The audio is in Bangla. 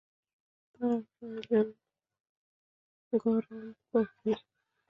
তাঁর প্রয়োজন গরম কফির।